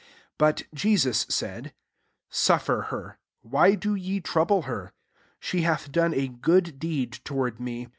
6 But Jesus said, " Suffer her: wliy do ye trouWe her? She hath done a good deed toward me.